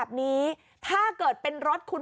แผ่นลง